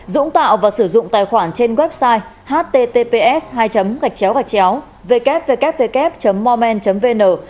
dũng tạo và sử dụng tài khoản trên website https hai xxxx www mormen vn